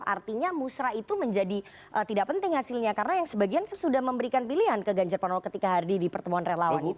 artinya musrah itu menjadi tidak penting hasilnya karena yang sebagian kan sudah memberikan pilihan ke ganjar pranowo ketika hardy di pertemuan relawan itu